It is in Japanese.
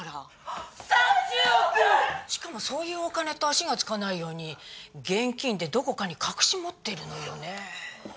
しかもそういうお金って足が付かないように現金でどこかに隠し持ってるのよね。